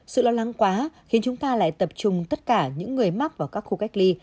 sự lo lắng quá khiến chúng ta lại tập trung tất cả những người mắc vào các khu cách ly